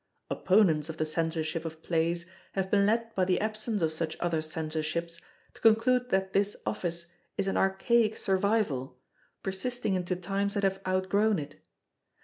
Opponents of the Censorship of Plays have been led by the absence of such other Censorships to conclude that this Office is an archaic survival, persisting into times that have outgrown it.